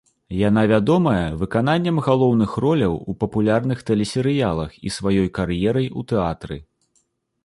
Яна вядомая выкананнем галоўных роляў у папулярных тэлесерыялах і сваёй кар'ерай у тэатры.